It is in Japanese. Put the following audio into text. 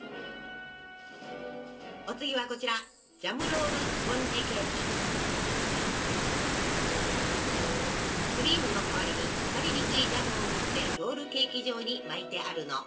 お次はこちらクリームの代わりに腐りにくいジャムを塗ってロールケーキ状に巻いてあるの。